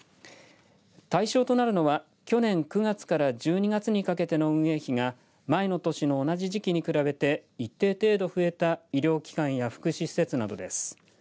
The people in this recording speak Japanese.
対象となるのは去年９月から１２月にかけての運営費が前の年の同じ時期に比べて一定程度増えた医療機関や福祉施設などです。